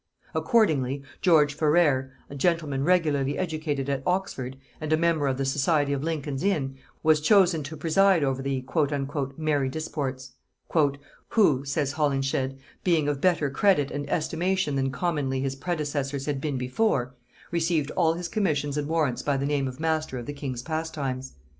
Accordingly, George Ferrers, a gentleman regularly educated at Oxford, and a member of the society of Lincoln's inn, was chosen to preside over the "merry disports;" "who," says Holinshed, "being of better credit and estimation than commonly his predecessors had been before, received all his commissions and warrants by the name of master of the king's pastimes.